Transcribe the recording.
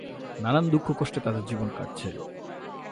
নানান দুঃখ-কষ্টে তাঁদের জীবন কাটছে।